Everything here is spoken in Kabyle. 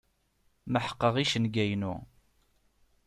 Meḥqeɣ icenga-inu.